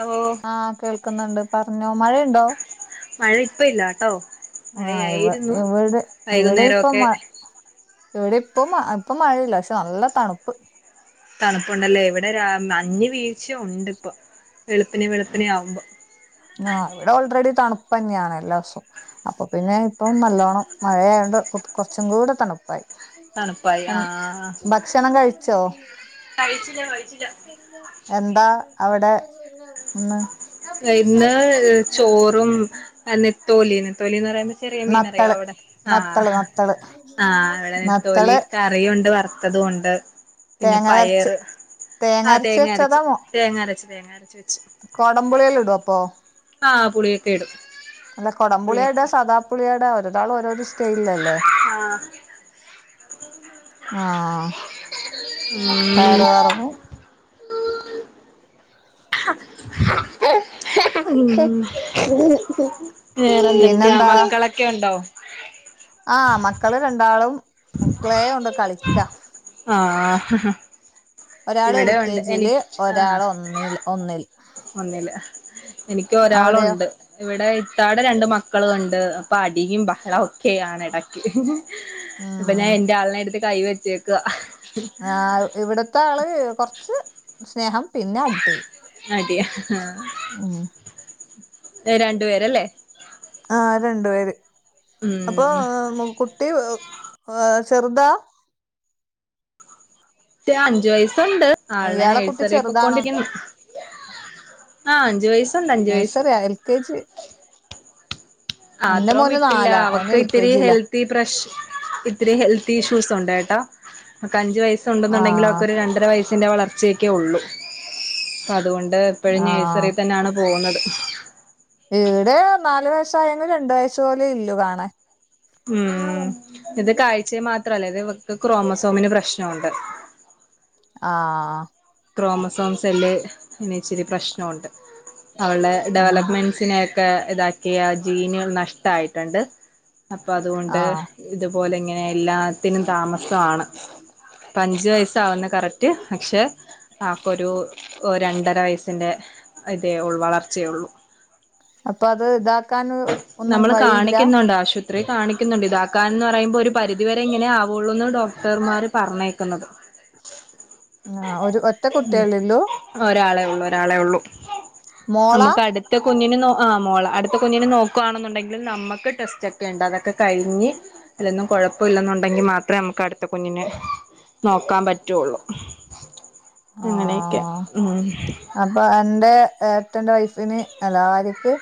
ഓ ആഹ് കേൾക്കുന്നുണ്ട് പറഞ്ഞോ മഴയുണ്ടോ മഴ ഇപ്പ ഇല്ലാട്ടോ ആഹ് എവ് മഴയായിരുന്നു എവിടെ എവ്ടെ ഇപ്പൊ വൈകുന്നേരമൊക്കെ മ ഇവിടെ ഇപ്പ മ ഇപ്പ മഴയില്ല പക്ഷെ നല്ല തണുപ്പ് തണുപ്പുണ്ടല്ലേ ഇവിടെ രാ മഞ്ഞ് വീഴ്ച ഉണ്ട് ഇപ്പൊ വെളുപ്പിന് വെളുപ്നെ ആവുമ്പോ ആഹ് ഇവിടെ ഓൾറെഡി തണുപ്പ് തന്നെയാണ്ല്ലാ ദിവസവും അപ്പൊ പിന്നെ ഇപ്പം നല്ലോണ്ണം മഴയായൊണ്ട് കുറച്ചും കൂടെ തണു തണുപ്പായി ആ ഭക്ഷണം കഴിച്ചോ കഴിച്ചില്ല കഴിച്ചില്ല എന്താ അവിടെ ഇന്ന് ഇന്ന് ചോറും അഹ് നെത്തോലി നെത്തോലിന്ന് പറയണ് ചെറിയ മീനറിയോ നത്തള് അവിടെ ആഹ് നത്തള് നത്തള് ആഹ് അവിടെ നെത്തോലി നത്തള് കറിയുണ്ട് വറുത്തതും ഉണ്ട് പിന്നെ തേങ്ങ അരച്ച് പയറ് ആഹ് അരച്ച് തേങ്ങ വെച്ചതാ അരച് തേങ്ങ അരച് തേങ്ങ അരച് വെച് കൊടംപുളി എല്ലു ഇടൊ അപ്പൊ ആ പുളിയൊക്കെ ഇടും അല്ല കൊടംപുളി ഇട പുളിയൊക്കെ സാദാപ്പുളിയട [unintelligible] ഓരോരൊ സ്റ്റൈൽ അല്ലെ ആഹ് ആഹ് ഉം പയറ് വർഗും വേറെന്തൊക്കെയാ പിന്നെന്താ മക്കളെക്കെ ഉണ്ടോ ആ മക്കള് രണ്ടാളും ക്ലെ കൊണ്ട് കളിക്കാ ആഹ് ഒരാള് എൽ ഇവിടെ കെ ഉണ്ട് ജി എനി യില് ഒരാൾ ഒന്നില് ഒന്നില് വന്നില്ലേ എനിക്ക് അവിടെയോ ഒരാളുണ്ട് ഇവിടെ ഇത്താടെ രണ്ട് മക്കള ഉണ്ട് അപ്പൊ അടിയും ബഹളം ഓക്കെ ആണ് എട അപ്പൊ ഞാൻ ഉം എന്റെ ആൾനെ എടുത്ത് കൈ വെച്ചേക്കാ ആഹ് ഇവിടത്തെ ആള് കൊറച്ചു സ്നേഹം പിന്നെ അടി അടിയ ഹ ഉം എ രണ്ടു പേരല്ലേ ആ രണ്ടു പേര് അപ്പൊ ഉം കുട്ടി ചെറ്താ അഞ്ചു വയസ്സുണ്ട് ആൾനെ ഇയാളെ കുട്ടി നഴ്സറി ചെറുതാണോ പ്പൊക്കോണ്ടിരിക്കുന്നു ആ അഞ്ചു വയസ്സ് ഉണ്ട് അഞ്ചു വയസ്സ് തേച്ച് അത്രോം വിട്ടില്ല അവക്ക് ഇത്തിരി ജിയിലാ ഹെൽ പ്രഷ് ഇത്തിരി ഹെൽത്ത് ഇഷ്യൂസ് ഉണ്ട് കേട്ടാ അവക്ക് അഞ്ചു വയസ് ഉണ്ടെന്നുണ്ടെങ്കിലും ആഹ് അവക്ക് ഒരു രണ്ടര വയസ്സിന്റെ വളർച്ചയൊക്കെ ഒള്ളു അതുകൊണ്ട് എപ്പഴും ആഹ് നേഴ്സറിയിൽ തന്നാണ് പോവുന്നത് ഇവിടെ നാലു വയസ്സായെങ്കിലും രണ്ടു വയസ്സ് പോലെ ഇല്ലൂ കാണാൻ ഉം ഇത് കാഴ്ചയെ മാത്രല്ല ഇത് ഇവക്ക് ക്രോമസോമിന് പ്രശ്നമുണ്ട് ആഹ് ക്രോമസോൺ സെല്ല് ഇനി ഇച്ചിരി പ്രശ്നമുണ്ട് അവൾടെ അങ്ങനെ ഡെവലപ്മെന്റ്സ് നെയോക്കെ ഇതാക്കിയ ജീനുകൾ നഷ്ടായിട്ടുണ്ട് അപ്പൊ അതുകൊണ്ട് ആഹ് ഇതുപോലെ ഇങ്ങനെ എല്ലാത്തിനും താമസാണ് ഇപ്പ അഞ്ച് വയസ്സാവ്ന്നു കറക്റ്റ് പക്ഷെ ആൾക്കൊരു രണ്ടര വയസ്സിന്റെ ഇതേ ഒൾ വളർച്ചയെള്ളൂ അപ്പോ അത് ഇതാ നമ്മള് കാണിക്കുന്നുണ്ട് ആശു പത്രി കാണിക്കുന്നുണ്ട് ഇതാക്കാൻന്ന് പറയുമ്പോ ഒരു പരിധിവരെ ഇങ്ങനാവുള്ളൂന്ന് ഡോക്ടർമാർ പർഞ്ഞേക്കുന്നത് ആഹ് ഒരു ഒറ്റ കുട്ടിയല്ലേള്ളൂ ഒരാളെള്ളൂ ഒരാളെ ഒള്ളൂ മോളാ നമുക്ക് അടുത്ത കുഞ്ഞിനെ നൊ ആഹ് മോളാ അടുത്ത കുഞ്ഞിനെ നോക്കുവാണെന്നുണ്ടെങ്കില് നമ്മക്ക് ടെസ്റ്റൊക്കെ ഉണ്ട് അതൊക്കെ കഴിഞ്ഞ് അതിലൊന്നും കൊഴപ്പല്ലെന്നുണ്ടെങ്കി മാത്രെ നമുക്ക് അടുത്ത കുഞ്ഞിനെ നോക്കാൻ പറ്റുള്ളൂ അങ്ങനെയൊക്കെയാ ആഹ് ഉം അപ്പൊ എന്റെ ഏട്ടന്റെ വൈഫിന് എല്ലാരിക്ക്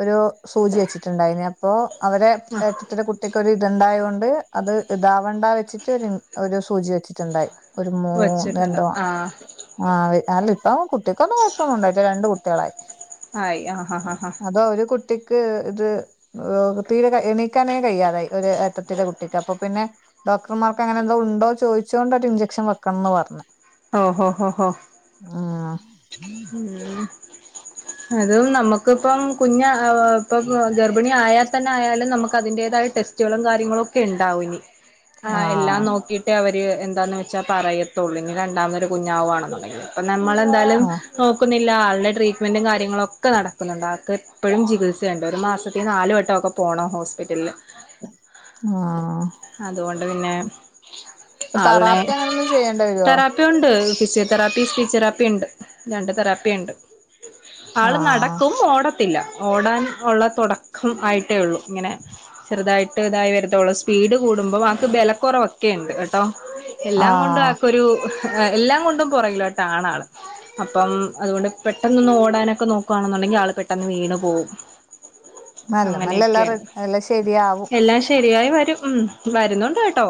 ഒരു സൂചി വെച്ചിട്ടുണ്ടായിന് അപ്പോ അവരെ ആ ഏട്ടത്തിടെ കുട്ടിക്കൊരു ഇതുണ്ടായോണ്ട് അത് ഇതാവണ്ട വെച്ചിട്ട് ഒരു ഒരു സൂചി വെച്ചിട്ടുണ്ടായി ഒരു മൂ വെച്ചിട്ടുണ്ട് രണ്ടോ ആ ആണ് ആഹ് അല്ല ഇപ്പൊ കുട്ടിക്കൊന്നും കൊഴപ്പന്നുണ്ടായിട്ടില്ല രണ്ട് കുട്ടികളായി ആയി ആഹ് ഹാ ഹാ അതോ ഒരു കുട്ടിക്ക് ഇത് തീരെ എണീക്കാനേ കയ്യാ തായി ഒരു ഏട്ടത്തിന്റെ കുട്ടിക്ക് അപ്പൊ പിന്നെ ഡോക്ടർമാർക്ക് അങ്ങനെ എന്തോ ഉണ്ടോ ചോദിച്ചോണ്ട് അവര് ഇൻജെക്ഷൻ വെക്കണെന്നു പർഞ്ഞ് ഓ ഹോ ഹോ ഹോ ഉം അതും നമുക്കിപ്പം കുഞ്ഞ ഇപ്പം ഗർഭിണിയായാ തന്നെ ആയാല് നമുക്ക് അതിന്റേതായ ടെസ്റ്റുകളും കാര്യങ്ങളും ഒക്കെണ്ടാവും ഇനി ആഹ് എല്ലാം നോക്കിയിട്ടേ അവര് എന്താന്ന് വെച്ചാ പറയത്തൊള്ളൂ ഇനി രണ്ടാമതൊരു കുഞ്ഞാവാണന്നുണ്ടെങ്കി നമ്മളെന്തായാലും ആഹ് നോക്കുന്നില്ല ആൾടെ ട്രീറ്റ്മെന്റും കാര്യങ്ങളൊക്കെ നടക്കുന്നുണ്ട് ആൾക്ക് ഇപ്പഴും ചികിത്സയ്ണ്ട് ഒരു മാസത്തി നാലുവട്ടൊക്കെ പോണം ഹോസ്പിറ്റൽല് ആഹ് അതുകൊണ്ട് പിന്നെ തറാപ്പി അങ്ങെനൊന്നും ചെയ്യേണ്ടെ വെരോ പ്പിയുണ്ട് ഫിസിയോ തെറാപ്പി സ്പീച്ച് തെറാപ്പിണ്ട് രണ്ട് തെറാപ്പിണ്ട് ആള് ആഹ് നടക്കും ഓട ത്തില്ലാ ഓടാൻ ഒള്ള താെടക്കം ആയിട്ടേ ഒള്ളൂ ഇങ്ങെനെ ചെറ്തായിട്ട് തായി വരത്തേ ഒള്ളൂ സ്പീഡ് കൂടുമ്പോ ആൾക്ക് ബെലെക്കാെറവാെക്കെ ഇണ്ട് കെട്ടോ എല്ലാം കൊണ്ടും ആഹ് ആൾക്കൊരു എല്ലാം കൊണ്ടും പുറകിലോട്ടാണാള് അപ്പം അതുകൊണ്ട് പെട്ടെന്നൊന്ന് ഓടാനൊക്കെ നോക്കുവാണെന്നുണ്ടെങ്കി ആള് പെട്ടെന്ന് വീണ് പോവും നല്ല മെല്ലെ എല്ലാം അങ്ങെനെയെക്കെയാ റെ എല്ലാം ശരിയാവും എല്ലാം ശെരിയായി വരും ഉം വരുന്നുണ്ട് കെട്ടോ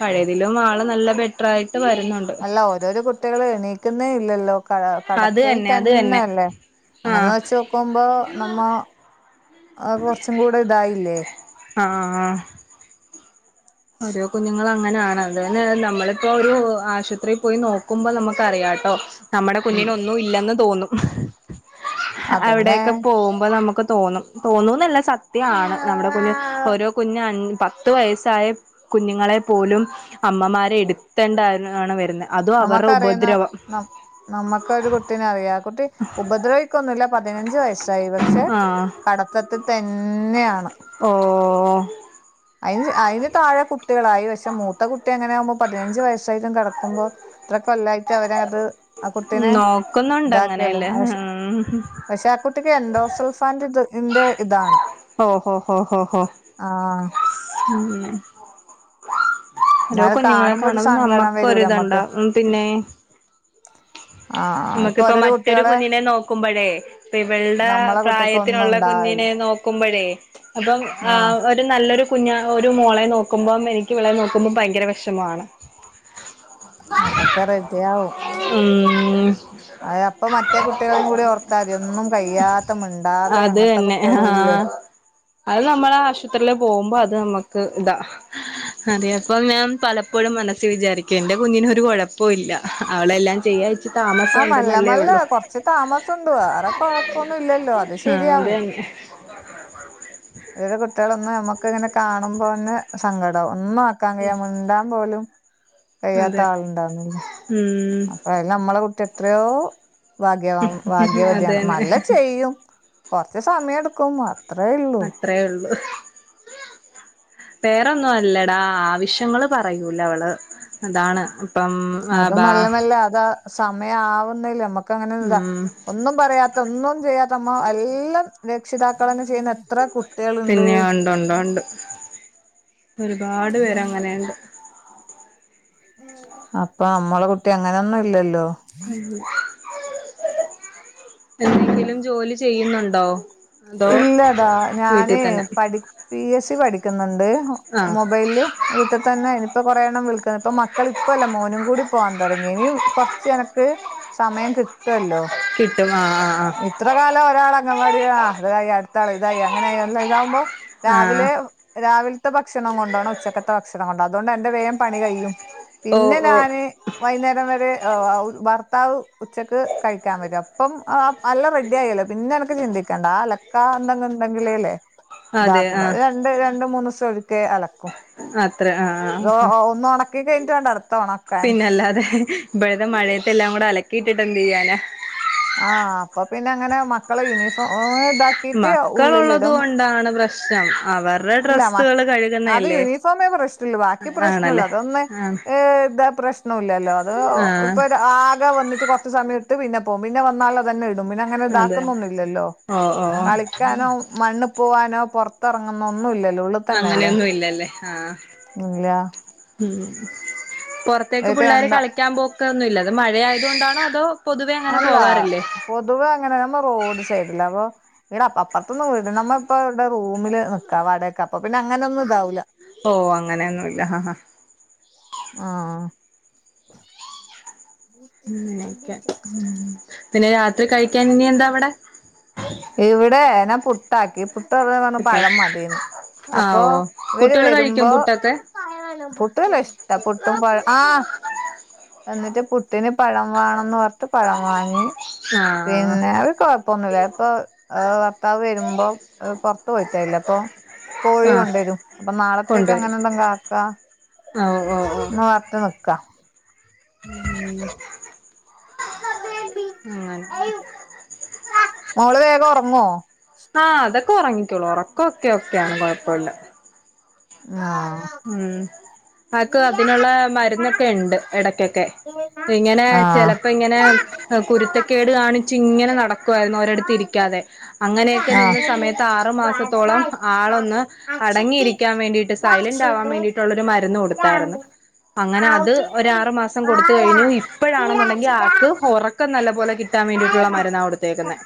പഴേതിലും ആള് നല്ല ബെറ്റ്റായിട്ട് വരുന്നുണ്ട് ല്ല ഓരോരോ കുട്ടികള് എണീക്ക്ന്നേ ഇല്ലല്ലോ കാ കടക്കയിൽ തന്നെ അല്ലെ അങ്ങെനെ ആഹ് വെച്ച് നോ ക്കുമ്പോ നമ്മ ആഹ് കൊർച്ചും കൂടെ ഇതായില്ലേ ആഹ് ഓരോ കുഞ്ഞുങ്ങള് അങ്ങനാണ് അതേലെന്നെ നമ്മളിപ്പോ ഒരു ആശുത്രീ പോയി നോക്കുമ്പം നമ്ക്കറിയാട്ടോ നമ്മെടെ കുഞ്ഞിനൊന്നും ഇല്ലെന്ന് തോന്നും അതന്നെ അവിടെയൊക്കെ പോവുമ്പാെ നമുക്ക് തോന്നും തോന്നൂന്നല്ല സത്യ ആണ് നമ്മുടെ കുഞ്ഞ് ഓരോ കുഞ്ഞ് അൻ പത്ത് വയസ്സായ കുഞ്ഞുങ്ങളെ പോലും അമ്മമാര് എട്ത്തെണ്ടാണ് വെര്ന്നേ അതും അവറ്ടെ ഉപദ്രവം നമ്മക്കാെര് കുട്ടിനെ അറിയാം ആഹ് കുട്ടി ഉപദ്രവി ക്കൊന്നുല്ല പതിനഞ്ച് വയസ്സായി പക്ഷെ ആഹ് കടത്തത്തി തന്നെയാണ് ഓഹ് അയ്ന് അയ്ന് താഴെ കുട്ടികളായി പക്ഷെ മൂത്ത കുട്ടി അങ്ങെനെ ആവ്മ്പം പതിനഞ്ച് വയസായിട്ടും കെടക്കുമ്പോ എത്രെ കൊല്ലായിട്ട് അവരെ അത് ആ കുട്ടിനെ ക്കുന്നുണ്ട് അങ്ങെനേലേ ഉം ത്ക്കെ എൻഡോ സൾഫാന്റെ ഇത് ഇന്റെ ഇതാണ് ഓഹ് ഓഹ് ഓഹ് ഓഹ് ആഹ് ഓരോ എന്നാലും കുഞ്ഞുങ്ങളെ കാണുമ്പോ ഒരു കാണ്‌മ്പ സങ്കടം വരൂലേ നമ്മക്കാെരിത്ണ്ടാ നമ്മക്ക് പിന്നേ ആഹ് ഇപ്പൊ നമക്കിപ്പം ഓരോരോ മറ്റൊരു കുട്ടികളെ കുഞ്ഞിനെ നോക്കുമ്പഴേ പ്പ ഇവൾടെ നമ്മളെ കുട്ടിക്ക് ഒന്നും പ്രായത്തിനുള്ള ഉണ്ടാവില്ല കുഞ്ഞിനെ നോക്കുമ്പഴേ അപ്പം ആ ആഹ് ഒ ഒരു നല്ലൊരു കുഞ്ഞാ ഒരു മോളെ നോക്കുമ്പം എനിക്കിവളെ നോക്കുമ്പം ഭയെങ്കെരെ വെഷെമാണ് അതൊക്കെ റെഡ്യാവും ഉം അത് അപ്പം മറ്റേ കുട്ട്യേളിം കൂടി ഓർത്താതി ഒന്നും കയ്യാത്ത മ്ണ്ടാത്ത അത് അങ്ങൻത്തെ തന്നെ കുട്ട്യാളും ഇല്ലേ ആഹ് അത് നമ്മള് ആശുപത്രില് പോവുമ്പം അത് നമ്ക്ക് താ അതേ അപ്പൊ ഞാൻ പലപ്പോഴും മനസ്സിൽ വിചാരിക്കും എന്റെ കുഞ്ഞിനൊരു കൊഴപ്പോം ഇല്ല അവളെല്ലാം ചെയ്യാച്ച് ആഹ് മെല്ലെ മെല്ലെ കൊർച്ച് താമസംണ്ട് വേറെ കൊഴപ്പൊന്നും ഇല്ലല്ലോ അത് ആഹ് അത് ശെരിയാവും തന്നെ വേറെ കുട്ട്യേളൊന്നും ഞമ്മക്കങ്ങെനെ കാണുമ്പോന്നെ സങ്കടാവും ഒന്നും ആക്കാൻ കഴിയാ മ്ണ്ടാൻ പോലും കയ്യാത്ത അതെ ആള് ഇണ്ടാവ്ണില്ലെ ഉം ത് ഞമ്മെളെ കുട്ടി എത്രെയോ ഭാഗ്യവാ അത് ഭാഗ്യവതിയാണ് തന്നെ മല്ലെ ചെയ്യും കൊർച്ച് സമയട്ക്കും അത്രേ ഇള്ളൂ അത്രേയുള്ളൂ വേറൊന്നും അല്ലെടാ ആവശ്യങ്ങള് പറയൂലവള് അതാണ് ഇപ്പം ആ അതും ബാ മെല്ലെ മെല്ലെ അത് സമയാവുന്നല്ലെ ഞമ്മെക്ക് അങ്ങെനാെര്താ ഉം ഒന്നും പറയാത്ത ഒന്നും ചെയ്യാത്ത മ്മ എല്ലം രക്ഷിതാക്കെളെന്നെ ചെയ്യ്ന്ന എത്ര കു പിന്നെ ഒണ്ടാെണ്ടാെണ്ട് ഒരുപാട് പേരെങ്ങനെയുണ്ട് [unintelligible] അപ്പൊ അമ്മളെ കുട്ടി അങ്ങനൊന്നും ഇല്ലല്ലോ ഉം എന്തെങ്കിലും ജോലി ചെയ്യുന്നുണ്ടോ? അതോ ഇല്ലടാ ഞാന് വീട്ടിൽ തന്നെ പഠി പി എസ് സി പഠിക്കുന്നുണ്ട് ആഹ് മൊബൈലില് വീട്ട് തന്നെ ഇനിയിപ്പ കൊറെ എണ്ണം വിളിക്കുന്നത് ഇപ്പ മക്കള ഇപ്പല്ല മോനും കൂടി പോവാൻ തൊടങ്ങി ഇനി കൊറച്ച് എനക്ക് സമയം കിട്ടുവല്ലോ കിട്ടും ആഹ് ആഹ് ആഹ് ഇത്ര കാലം ഒരാൾ അംഗൻവാടി ആഹ് അത് കഴിഞ്ഞ് അടുത്താളതായി അങ്ങനെ ആയി എല്ലാം ഇതാവുമ്പോ ആഹ് രാവിലെ ആഹ് രാവിൽത്തെ ഭക്ഷണം കൊണ്ടോണം ഉച്ചക്കത്തെ ഭക്ഷണം കൊണ്ടാ അതുകൊണ്ട് എന്റെ വേം പണി കഴിയും ഓ പിന്നെ ഓ ഞാന് വൈന്നേരം വരെ ഒ ആഹ് ഭർത്താവ് ഉച്ചക്ക് കഴിക്കാൻ വരും അപ്പം ആ ആഹ് എല്ലം റെഡി ആയല്ലോ പിന്നെ എനക്ക് ചിന്തിക്കേണ്ട ആ അലക്കാ എന്തെങ്കും ഇണ്ടെങ്കിലല്ലേ അതെ ഇതാക്കണ്ട [unintelligible] ആഹ് ണ്ട് രണ്ട് മൂന്ന് ദിവസോക്കെ അലക്കും അത്ര ആഹ് അത് ആഹ് ഒ ആഹ് ഒന്നൊണക്കാ ക്കെ കഴിഞ്ഞിട്ട് വേണ്ട അടുത്ത ഓണ പിന്നല്ലാതെ ഇപ്പഴ്ത്തെ മഴയത്തെല്ലാം കൂടെ അലക്കിയിട്ടിട്ട് എന്ത് ചെയ്യാനാ ആഹ് അപ്പൊ പിന്നെ അങ്ങനെ മക്കള യൂണിഫോം ഇതാക്കിട്ട് ഉള്ളിലിടും ന്താണ് പ്രശ് [unintelligible] ആഹ് വേർ ഇല്ല മക്ക് അത് യൂണിഫോമേ പ്രശ്നള്ളൂ ബാക്കി പ്രശ്നല്ല ആണല്ലേ അതൊന്ന് ആ ഏഹ് ഇതാ പ്രശ്ന നല്ലൊല്ലോ അത് ആ ഇപ്പൊ ആകെ വന്നിട്ട് കൊറച്ച് സമയം ഇട്ട് പിന്നെ പോകും പിന്നെ വന്നാള്ള തന്നെ ഇടും പിന്നെ അങ്ങനെ അതെ ഇതാക്കുന്നൊന്നും ഇല്ലല്ലോ ഓ ഓ ഓ കളിക്കാനും മണ്ണ് പോവാനോ പൊറത്തിറങ്ങുന്നോ ഒന്നും ഇല്ലല്ലോ ഉള്ള് അങ്ങനെയൊന്നും ഇല്ലല്ലേ ആഹ് ഇല്ല ഉം പൊറത്തേക്ക് ഇവക്ക് പിള്ളാര് രണ്ട കളിക്കാൻ പോ ട്ടൊന്നുല്ല അത് മഴയായതുകൊണ്ടാണോ അതോ പൊതുവെ അങ്ങനെ അല്ലാ പോകാറില്ലേ പൊതുവെ അങ്ങനെ നമ്മ റോഡ് സൈഡിലാ അപ്പൊ [unintelligible] അപ്പറത്തൊന്ന് വീട് നമ്മപ്പ വിടെ റൂമില് നിക്കാ വാടക്ക് അപ്പ പിന്നെ അങ്ങനെയൊന്നും ഇതാവൂല്ല ഓഹ് അങ്ങനെയൊന്നുല്ല ആഹ് ആഹ് ആഹ് ആഹ് അങ്ങനെയൊക്കെ ഉം പിന്നെ രാത്രി കഴിക്കാൻ ഇനിയെന്താ അവിടെ? ഇവിടെ ഞാൻ പുട്ടാക്കി പു [unintelligible] പഴം മതീന്ന് ആ അപ്പൊ ഓ ഇവര് കുട്ടികൾ കഴിക്കും വെരുമ്പോ പുട്ടൊക്കെ പുട്ട് തിന്നാൻ ഇഷ്ട്ടാ പുട്ടും പഴം ആഹ് എന്നിട്ട് പുട്ട് പുട്ടിന് പഴം വാണന്ന് പർഞ്ഞിട്ട് പഴം വാങ്ങി ആ പിന്നെ അയ് കൊഴപ്പൊന്നുല്ല അയ്പ്പൊ ആഹ് ഭർത്താവ് വെരുമ്പോ ഏഹ് പൊറത്തു പോയിട്ടായില്ലപ്പം കോഴി ആ കൊണ്ടൊരും അപ്പൊ നാളത്തേക്ക് അങ്ങനെ എന്തെങ്ക് ആക്കാ ആഹ് ഓഹ് ഓഹ് [unintelligible] നിക്കാ ഉം അങ്ങനെ മോള് വേഗം ഒറങ്ങോ ആഹ് അതൊക്കെ ഒറങ്ങിക്കോളും ഒറക്കൊക്കെ ഓക്കെയാണ് കൊഴപ്പല്ല ആഹ് ഉം ആക്ക് അതിനുള്ള മരുന്നൊക്കെണ്ട് എടക്കൊക്കെ ഇങ്ങനെ ആ ചെലപ്പോ ഇങ്ങനെ കുരുത്തക്കേട് കാണി ച്ചിങ്ങനെ നടക്കുവായിരുന്നു ഒരെടുത്ത് ഇരിക്കാതെ അങ്ങനെയൊക്കെ ആ നിന്ന് സമയത്താറു മാസത്തോളം ആളൊന്ന് അടങ്ങിയിരിക്കാൻ വേണ്ടിയിട്ട് സൈലന്റ് ആവാൻ വേണ്ടിയിട്ടുള്ളൊരു മരുന്ന് കൊടുത്തായിരുന്നു അങ്ങനെ അത് ഒരാറു മാസം കൊടുത്ത് കഴിഞ്ഞു ഇപ്പഴാണെന്നുണ്ടെങ്കി ആക്ക് ഒറക്കം നല്ല പോലെ കിട്ടാൻ വേണ്ടിയിട്ടുള്ള മരുന്നാ കൊടുത്തേക്കുന്നെ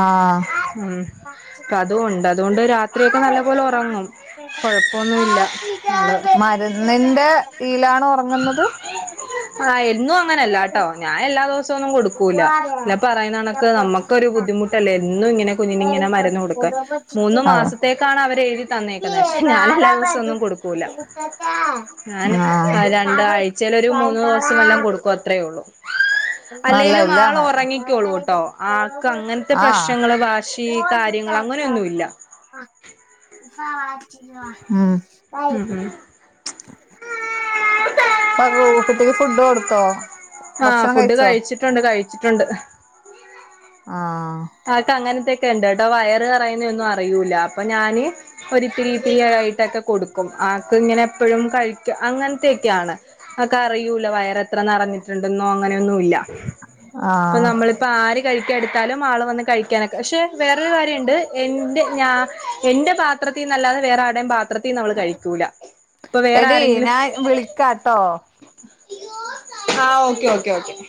ആ ഉം അപ്പ അതൊണ്ട് അതുകൊണ്ട് രാത്രി ഒക്കെ നല്ല പോലെ ഒറങ്ങും കുഴപ്പൊന്നു മരുന്നിന്റെ ഈലാണ് ഒറങ്ങുന്നത് ആഹ് എന്നും അങ്ങനല്ലാട്ടോ ഞാൻ എല്ലാ ദിവസവൊന്നും കൊടുക്കു അല്ല ല പറയണണക്ക് നമ്മക്കൊരു ബുദ്ധിമുട്ടല്ലേ ന്നും ങ്ങനെ കുഞ്ഞിനിങ്ങനെ മരുന്ന് കൊടുക്കാൻ മൂന്നു ആ മാസത്തേക്കാണ് അവരെഴുതി തന്നേക്കുന്നെ ക്ഷേ ഞാൻ എല്ലാ ദിവസ സൊന്നും കൊടുക്കൂല ഞാൻ ആ അ രണ്ടാഴ്ചേലൊരു മൂന്ന് ദിവസം വല്ലം കൊടുക്കും അ ത്രേഒള്ളൂ. അല്ല അല്ലേലും ഇല്ല ആളൊറങ്ങിക്ക്യോളൂട്ടോ ആക്ക് അങ്ങൻത്തെ ആഹ് പ്രശ്നങ്ങള് ബാ ഷി കാര്യങ്ങള് അങ്ങനൊന്നു ല്ല. ഉം. ഉം ഹും. പ്പവു കുട്ടിക്ക് ഫുഡ് കൊട്തോ. ആഹ് ഫുഡ് കഴിച്ചിട്ടുണ്ട് കഴിച്ചിട്ടുണ്ട്. ആഹ്. ആക്ക് അങ്ങനത്തൊക്കെ ണ്ട് ട്ടോ വയറ് നെറയുന്നന്നും അറിയൂല അപ്പൊ ഞാന്. ഒരുതിരി തിരി യായിട്ടൊക്കെ കൊടുക്കും ആക്ക് ങ്ങനെ എപ്പഴും കഴിക്ക അങ്ങൻത്തെക്കെയാണ്. അക്കറിയൂല വയറെത്ര നറഞ്ഞിട്ടുണ്ടന്നോ അങ്ങനെയൊന്നു ഇല്ല. പ്പ ആഹ് നമ്മളിപ്പാര് കഴിക്ക ടുത്താലും. മാള് വന്ന് കഴിക്ക്യാനൊക്കെ ക്ഷെ വേറൊരു കാര്യണ്ട് എന്റെ ഞാ എന്റെ ഭാ ത്രത്തിന്നല്ലാതെ വേറെ ആരുടെം ഭാ ത്രത്തിന്നവള് കഴിക്കൂല പ്പൊ എടി വേറാരെങ്കിലും. ഞാൻ വിളിക്കാട്ടോ ആഹ് ഓക്കെ ഓക്കെ ഓക്കെ.